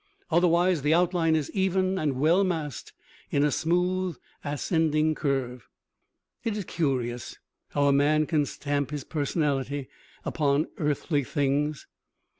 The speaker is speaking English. Otherwise the outline is even and well massed in a smooth ascending curve. It is curious how a man can stamp his personality upon earthly things.